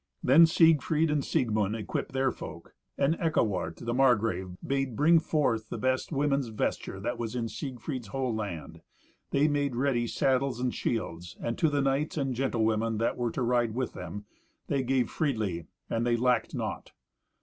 Then Siegfried and Siegmund equipped their folk, and Eckewart, the Margrave, bade bring forth the best women's vesture that was in Siegfried's whole land. They made ready saddles and shields, and to the knights and the gentlewomen that were to ride with them, they gave freely, that they lacked naught.